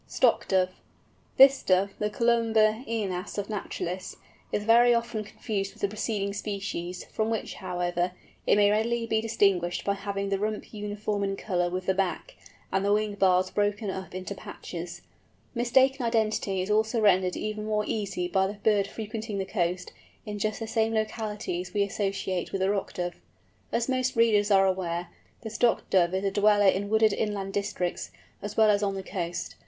STOCK DOVE. This Dove, the Columba ænas of naturalists, is very often confused with the preceding species, from which, however, it may readily be distinguished by having the rump uniform in colour with the back, and the wing bars broken up into patches. Mistaken identity is also rendered even more easy by the bird frequenting the coast, in just the same localities we associate with the Rock Dove. As most readers are aware, the Stock Dove is a dweller in wooded inland districts, as well as on the coast.